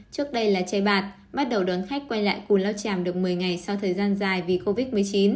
trước đây là cháy bạt bắt đầu đón khách quay lại cù lao chàm được một mươi ngày sau thời gian dài vì covid một mươi chín